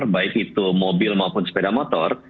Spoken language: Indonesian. baik itu mobil maupun sepeda motor